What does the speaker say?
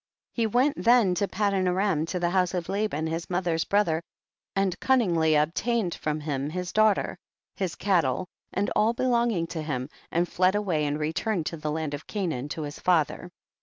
14, He went then to Padan aram to the house of Laban his mother's brother, and cunningly obtained from him his daughter, his cattle, and all belonging to him, and fled away and returned to the land of Canaan to his father.